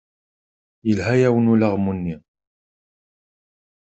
Yelha-yawen ulaɣmu-nni.